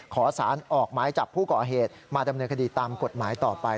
ขอสารออกหมายจับผู้ก่อเหตุมาดำเนินคดีตามกฎหมายต่อไป